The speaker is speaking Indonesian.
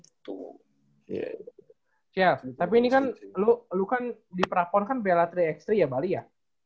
ya tapi ini kan lo kan di prapon kan piala tiga x tiga ya bali ya